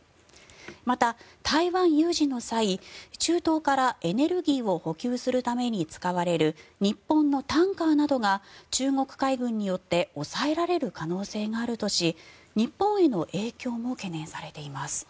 また、台湾有事の際中東からエネルギーを補給するために使われる日本のタンカーなどが中国海軍によって押さえられる可能性があるとし日本への影響も懸念されています。